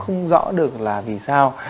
không rõ được là vì sao